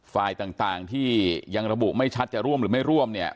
ฝ่ายต่างที่ยังระบุไม่ชัดจะร่วมหรือไม่ร่วมเนี่ย